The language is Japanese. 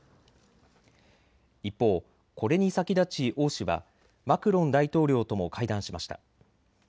一方、これに先立ち王氏はマクロン大統領とも会談しました。